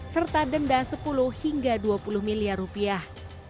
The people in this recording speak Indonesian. serta denda sepuluh hingga dua puluh miliar rupiah